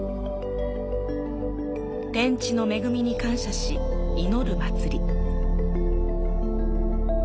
天地の恵みに感謝し祈る祭り。